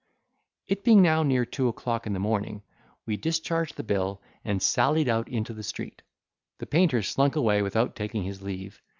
It being now near two o'clock in the morning, we discharged the bill, and sallied out into the street. The painter slunk away without taking his leave.